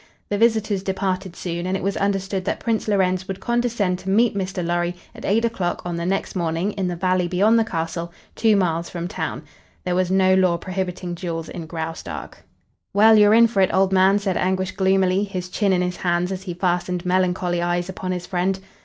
The visitors departed soon, and it was understood that Prince Lorenz would condescend to meet Mr. Lorry at eight o'clock on the next morning in the valley beyond the castle, two miles from town. There was no law prohibiting duels in Graustark. "Well, you're in for it, old man," said Anguish, gloomily, his chin in his hands as he fastened melancholy eyes upon his friend.